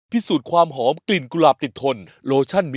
พิสูจน์ความหอมกลิ่นกุหลาบติดทนโลชั่น